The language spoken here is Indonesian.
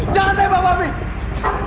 jangan tembak bobby